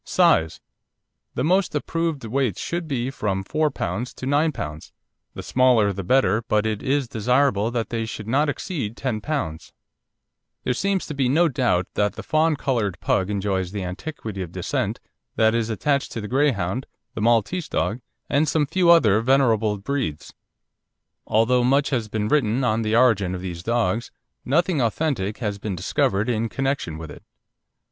SIZE The most approved weights should be from 4 lb. to 9 lb., the smaller the better, but it is desirable that they should not exceed 10 lb. There seems to be no doubt that the fawn coloured Pug enjoys the antiquity of descent that is attached to the Greyhound, the Maltese dog, and some few other venerable breeds. Although much has been written on the origin of these dogs, nothing authentic has been discovered in connection with it.